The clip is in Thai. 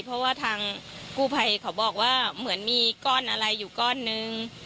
เพราะว่าทางกู้ภัยเขาบอกว่าเหมือนมีก้อนอะไรอยู่ก้อนนึง